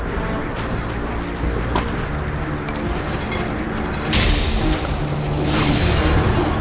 players yang tersentak dirisain serang sang wicara victim alam semua sudah berdpp ternyata overnight